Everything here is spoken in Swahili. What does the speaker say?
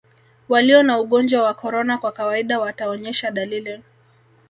walio na ugonjwa wa korona kwa kawaida wataonyesha dalili